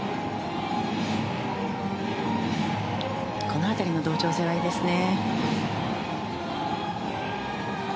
この辺りの同調性はいいですね。